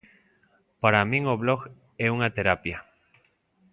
Para min o blog é unha terapia.